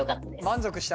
満足した？